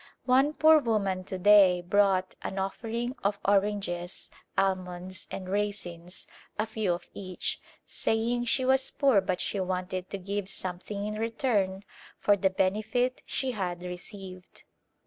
One poor woman to day brought an offering of oranges, almonds and raisins — a few of each — saying she was poor but she wanted to give something in return for the benefit she had received.